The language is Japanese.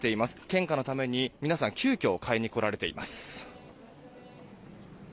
献花のために皆さん急きょ買いに来られています。